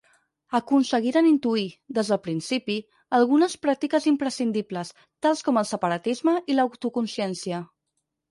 Aconseguiren intuir, des del principi, algunes pràctiques imprescindibles, tals com el separatisme i l'autoconsciència.